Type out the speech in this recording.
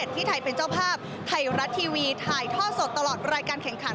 ที่ไทยเป็นเจ้าภาพไทยรัฐทีวีถ่ายท่อสดตลอดรายการแข่งขัน